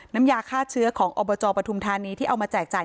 น้ำยาฆ่าเชื้อของอบจปฐุมธานีที่เอามาแจกจ่าย